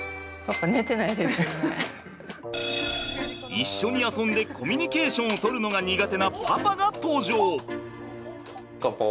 一緒に遊んでコミュニケーションを取るのが苦手なパパが登場！